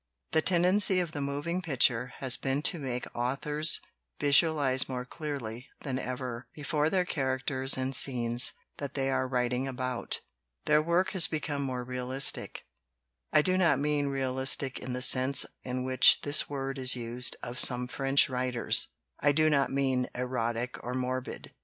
"The tendency of the moving picture has been to make authors visualize more clearly than ever before their characters and scenes that they are writing about. Their work has become more realistic. I do not mean realistic in the sense in which this word is used of some French writers; I do not mean erotic or morbid.